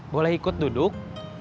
boleh ikut duduk